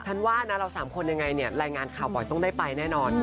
ว่านะเราสามคนยังไงเนี่ยรายงานข่าวปล่อยต้องได้ไปแน่นอน